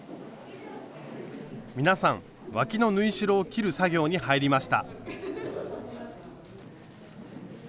皆さんわきの縫い代を切る作業に入りました。